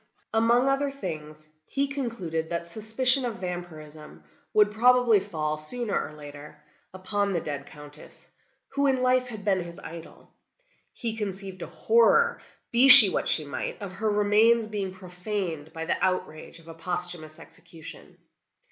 "Among other things, he concluded that suspicion of vampirism would probably fall, sooner or later, upon the dead Countess, who in life had been his idol. He conceived a horror, be she what she might, of her remains being profaned by the outrage of a posthumous execution.